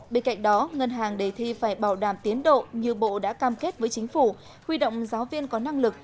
bên cạnh đó ngân hàng đề thi phải bảo đảm tiến độ như bộ đã cam kết với chính phủ huy động giáo viên có năng lực